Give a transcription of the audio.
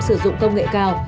sử dụng công nghệ cao